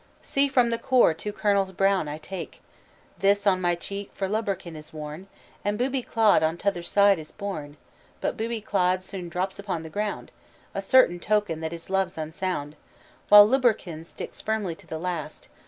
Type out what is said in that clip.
"See from the core two kernels brown I take: This on my cheek for Lubberkin is worn, And Booby Clod on t'other side is borne; But Booby Clod soon drops upon the ground, A certain token that his love's unsound; While Lubberkin sticks firmly to the last.